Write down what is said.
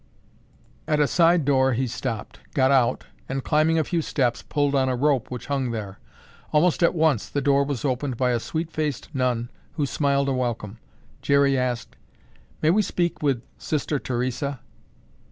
At a side door he stopped, got out and, climbing a few steps, pulled on a rope which hung there. Almost at once the door was opened by a sweet faced nun who smiled a welcome. Jerry asked, "May we speak with Sister Theresa?"